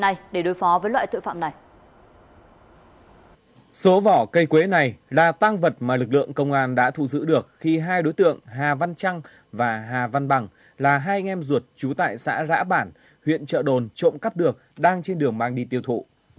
số vỏ cây quế này là tăng vật mà lực lượng công an đã thu giữ được khi hai đối tượng hà văn trăng và hà văn bằng là hai anh em ruột trú tại xã rã bản huyện trợ đồn trộm cắp được đang trên đường mang đi tiêu thụ